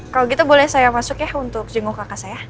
kalau gitu boleh saya masuk ya untuk jengu kakak saya